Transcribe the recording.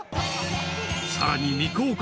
［さらに未公開。